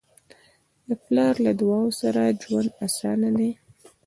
د پلار له دعاؤ سره ژوند اسانه دی.